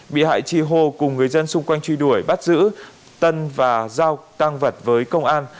bị hại chi hô cùng người dân xung quanh truy đuổi bắt giữ tân và giao tăng vật với công an